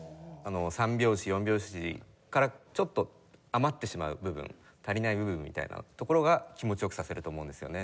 ３拍子４拍子からちょっと余ってしまう部分足りない部分みたいなところが気持ち良くさせると思うんですよね。